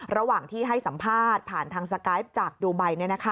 ระหว่างที่ให้สัมภาษณ์ผ่านทางสกายฟจากดูไบ